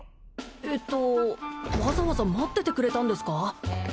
えっとわざわざ待っててくれたんですか？